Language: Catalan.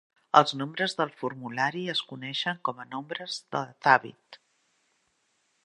Els nombres del formulari es coneixen com a nombres de Thàbit.